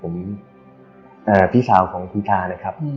คุณญายคนพี่สาวของคุณท่านะครับ